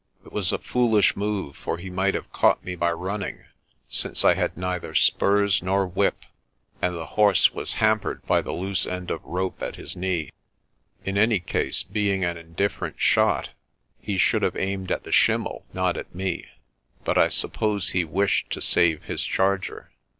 It was a foolish move, for he might have caught me by running, since I had neither spurs nor whip, and the horse was ham pered by the loose end of rope at his knee. In any case, being an indifferent shot, he should have aimed at the schim mel y not at me; but I suppose he wished to save his charger.